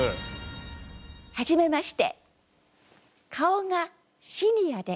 はじめまして。